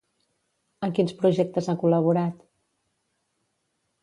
En quins projectes ha col·laborat?